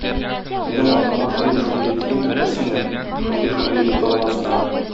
Минем атыма шундый-шундый кием тектерсеннәр, шундый-шундый итеп дагаласыннар.